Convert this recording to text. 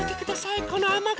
このあまがっぱ。